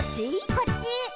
「こっち？」